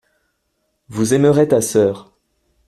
Vous aimerez ta sœur.